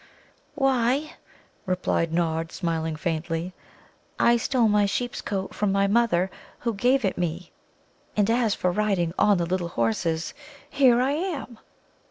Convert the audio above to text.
"Why," replied Nod, smiling faintly, "I stole my sheep's coat from my mother, who gave it me; and as for 'riding on the Little Horses' here I am!"